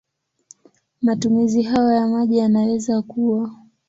Matumizi hayo ya maji yanaweza kuwa